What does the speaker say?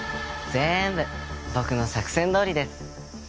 ぜーんぶ僕の作戦どおりです。